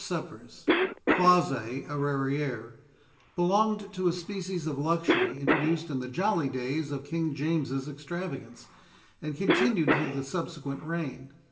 Rere suppers (quasi arrière) belonged to a species of luxury introduced in the jolly days of King James's extravagance, and continued through the subsequent reign.